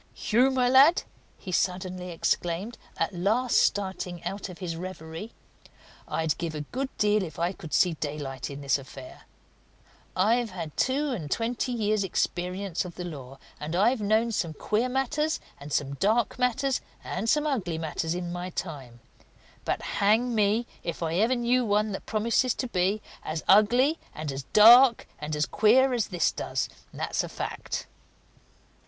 "Hugh, my lad!" he suddenly exclaimed, at last starting out of his reverie. "I'd give a good deal if I could see daylight in this affair! I've had two and twenty years' experience of the law, and I've known some queer matters, and some dark matters, and some ugly matters in my time; but hang me if I ever knew one that promises to be as ugly and as dark and as queer as this does that's a fact!"